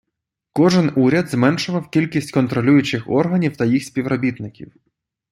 Кожен Уряд зменшував кількість контролюючих органів та їх співробітників.